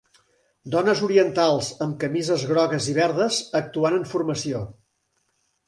Dones orientals amb camises grogues i verdes actuant en formació.